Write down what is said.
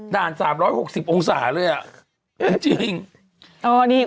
ด่าน๓๖๐องศาเลยอ่ะจริง